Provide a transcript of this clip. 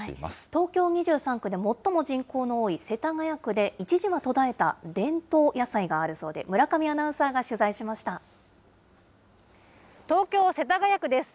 東京２３区で最も人口の多い世田谷区で、一時は途絶えた伝統野菜があるそうで、村上アナウンサーが取材し東京・世田谷区です。